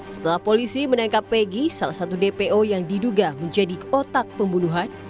setelah polisi menangkap pegi salah satu dpo yang diduga menjadi otak pembunuhan